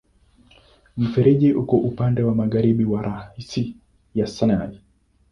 Mfereji uko upande wa magharibi wa rasi ya Sinai.